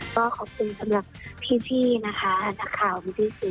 ขอขอบคุณสำหรับพี่นะคะนักข่าว